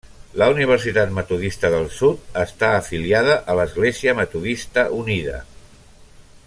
La Universitat Metodista del Sud està afiliada a l'Església Metodista Unida.